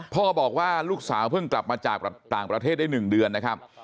พ่อบอกว่าลูกสาวเพิ่งกลับมาจากต่างประเทศได้๑เดือนนะครับ